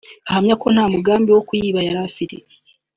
ahamya ko nta mugambi wo kuyiba yari afite